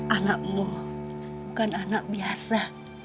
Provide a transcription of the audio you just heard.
anakmu bukan anak biasa